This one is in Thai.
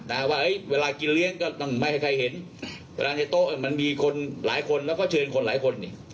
ว่าเวลากินเลี้ยงก็ต้องไม่ให้ใครเห็นเวลาในโต๊ะมันมีคนหลายคนแล้วก็เชิญคนหลายคนนี่